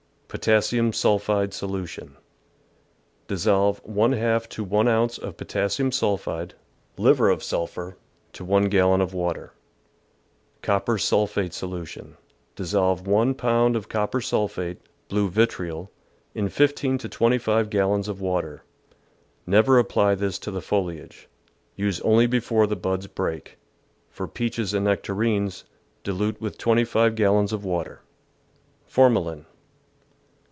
Potassium sulphide Solution. — Dissolve % to 1 ounce of potassium sulphide (liver of sulphur) to 1 gallon of water. CoPPER SULPHATE SOLUTION. DisSOlvC 1 pOUud of copper sulphate (blue vitriol) in 15 to 25 gal lons of water. Never apply this to the foliage. Use only before the buds break. For peaches and nec tarines, dilute with 25 gallons of water. Formalin.